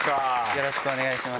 よろしくお願いします。